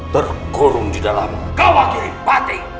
tergurung di dalam kawah kiri batik